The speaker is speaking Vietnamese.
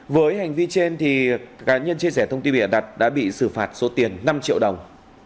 với hành vi trên cá nhân chia sẻ thông tin bịa đặt đã bị xử phạt số tiền năm triệu đồng